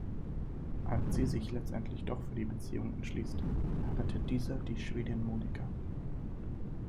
Als sie sich letztendlich doch für die Beziehung entschließt, heiratet dieser die Schwedin Monika.